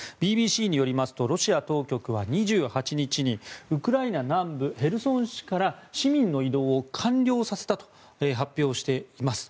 ＢＢＣによりますとロシア当局は２８日にウクライナ南部ヘルソン市から市民の移動を完了させたと発表しています。